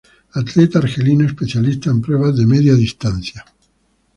Atleta argelino especialista en pruebas de media distancia.